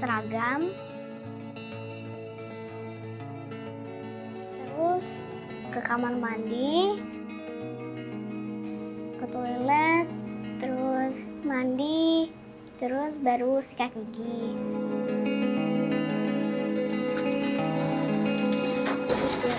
terus airnya dibawa pulang pakai ember